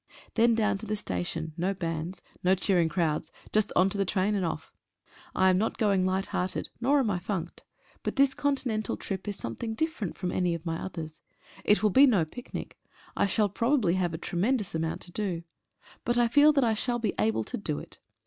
Then down to the station — no bands — no cheering crowds — just on to the train and off. I am not going light hearted, nor am I funked. But this Continental trip is something different from any of my others. It will be no picnic — I shall probably have a tremendous amount to do — but I feel that I shall be able to do it.